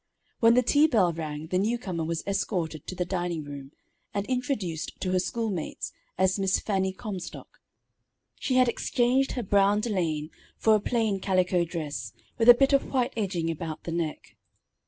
When the tea bell rang, the new comer was escorted to the dining room, and introduced to her schoolmates as Miss Fannie Comstock. She had exchanged her brown delaine for a plain, calico dress, with a bit of white edging about the neck.